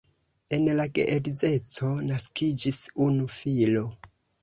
El la geedzeco naskiĝis unu filo.